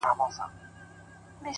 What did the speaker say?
لكه گلاب چي سمال ووهي ويده سمه زه ـ